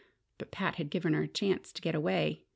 But Pat had given her a chance to get away.